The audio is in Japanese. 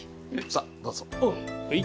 さあどうぞ。